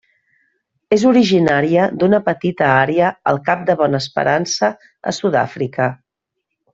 És originària d'una petita àrea al Cap de Bona Esperança a Sud-àfrica.